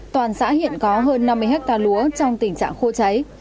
toàn xã hiện có hơn năm mươi hectare lúa trong tình trạng khô cháy